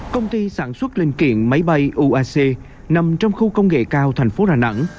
công ty sản xuất linh kiện máy bay uac nằm trong khu công nghệ cao thành phố đà nẵng